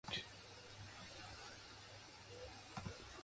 Additionally, other chapters have emerged as well.